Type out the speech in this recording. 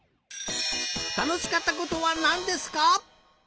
「たのしかったことはなんですか？」。